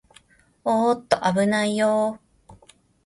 おーっと、あぶないよー